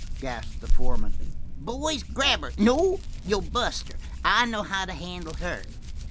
gasped the foreman. "Boys, grab her. No, you'd bust her; I know how to handle her!"